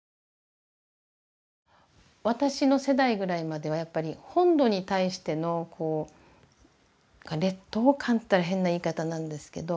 私の世代ぐらいまではやっぱり本土に対してのこう劣等感って言ったら変な言い方なんですけど。